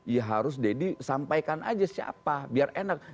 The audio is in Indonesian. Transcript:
ya harus deddy sampaikan aja siapa biar enak